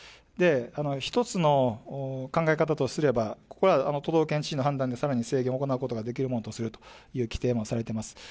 １つの考え方とすれば、これは都道府県知事の判断で、さらに制限を行うことができるものとするという規定もされています。